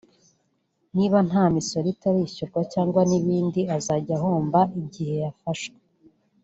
niba nta misoro itarishyurwa cyangwa n’ibindi azajya ahomba igihe yafashwe